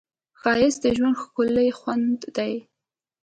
ښایست د ژوند ښکلی خوند دی